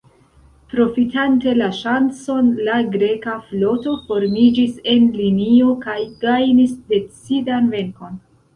Profitante la ŝancon, la greka floto formiĝis en linio kaj gajnis decidan venkon.